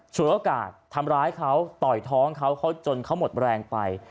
ฉวยโอกาสทำร้ายเขาต่อยท้องเขาเขาจนเขาหมดแรงไป